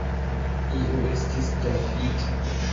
Iu estis trafita.